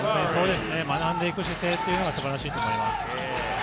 学んでいく姿勢というのが素晴らしいと思います。